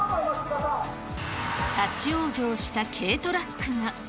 立往生した軽トラックが。